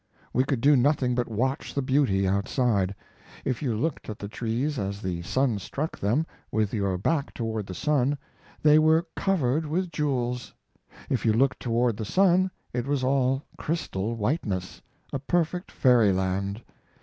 We could do nothing but watch the beauty outside; if you looked at the trees as the sun struck them, with your back toward the sun, they were covered with jewels. If you looked toward the sun it was all crystal whiteness, a perfect fairy land.